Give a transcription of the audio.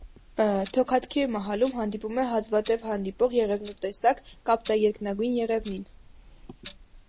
Թոքաթքյոյ մահալում հանդիպում է հազվադեպ հանդիպող եղևնու տեսակ՝ կապտաերկնագույն եղևնին։